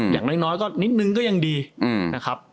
อย่างน้อยก็นิดนึงก็ยังดีนะครับ